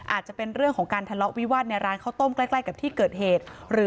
อาจจะเป็นเรื่องของการทะเลาะวิวาสในร้านข้าวต้มใกล้กับที่เกิดเหตุ